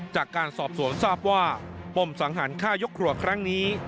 จากการสอบสวนทราบว่าปมสังหารฆ่ายกครัวครั้งนี้